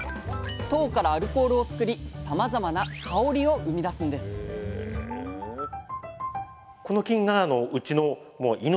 糖からアルコールをつくりさまざまな香りを生み出すんです命。